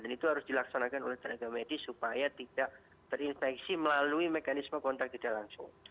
dan itu harus dilaksanakan oleh tenaga medis supaya tidak terinfeksi melalui mekanisme kontak tidak langsung